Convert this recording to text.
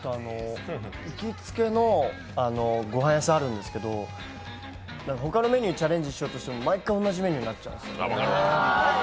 行きつけのごはん屋さんあるんですけど他のメニューにチャレンジしようとしても毎回同じになっちゃうんですよ。